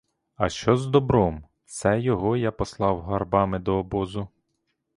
А що з добром, це його я послав гарбами до обозу?